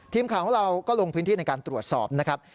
ทีมข่าวของเราก็ลงพื้นที่ในการตรวจสอบนะครับ